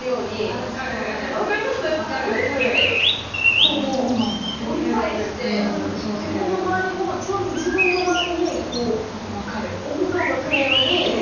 こう折り返してこの周りもちゃんと自分の周りにこうお布団が来るように。